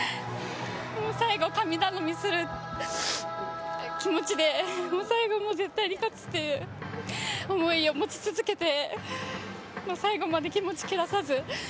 最後は神頼みする気持ちで最後も絶対に勝つっていう思いを持ち続けて最後まで気持ち切らさず。